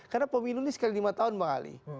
karena pemilu ini sekali lima tahun bang ali